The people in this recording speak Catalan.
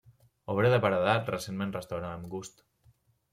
Obra de paredat, recentment restaurada amb gust.